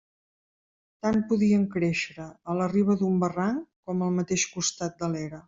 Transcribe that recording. Tant podien créixer a la riba d'un barranc com al mateix costat de l'era.